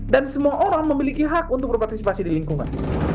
dan semua orang memiliki hak untuk berpartisipasi di lingkungan